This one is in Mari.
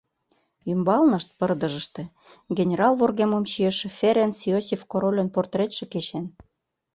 Ӱмбалнышт, пырдыжыште, генерал вургемым чийыше Ференц-Иосиф корольын портретше кечен.